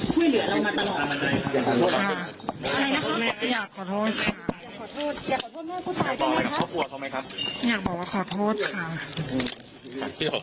สุดท้ายอยากขอโทษคุณภาคไหมเพราะว่าเขาช่วยเหลือเรามาตลอด